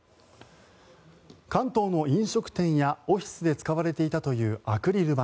関東の飲食店やオフィスで使われていたというアクリル板。